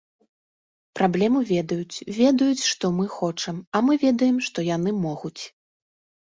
Праблему ведаюць, ведаюць, што мы хочам, а мы ведаем, што яны могуць.